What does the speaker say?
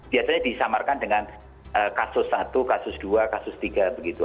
biasanya disamarkan dengan kasus satu kasus dua kasus tiga begitu